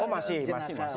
oh masih masih